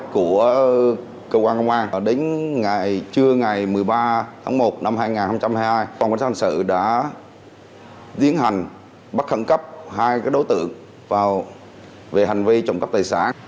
còn quan sát hành sự đã diễn hành bắt khẩn cấp hai đối tượng vào về hành vi trồng cắp tài sản